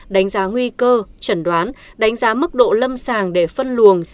đánh giá nguy cơ trần đoán đánh giá mức độ lâm sàng để phân luồng